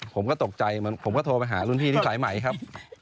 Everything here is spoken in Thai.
ผมก็ตกใจเหมือนผมก็โทรไปหารุ่นพี่ที่สายใหม่ครับ